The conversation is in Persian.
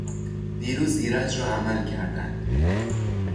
دیروز ایرج را عمل کردند.